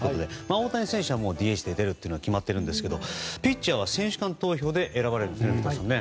大谷選手はＤＨで出ると決まってるんですがピッチャーは選手間投票で選ばれるんですよね。